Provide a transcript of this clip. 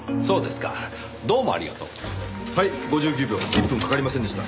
１分かかりませんでした。